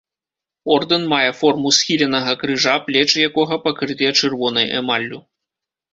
Ордэн мае форму схіленага крыжа, плечы якога пакрытыя чырвонай эмаллю.